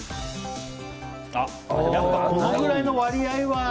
やっぱりこのぐらいの割合は。